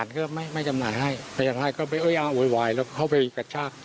นี่ค่ะอย่างนี้ค่ะ